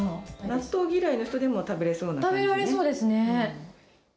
納豆嫌いな人でも食べれそうな感じでしょ。